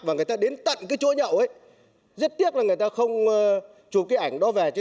và người ta đến tận cái chỗ nhậu ấy rất tiếc là người ta không chụp cái ảnh đó về chứ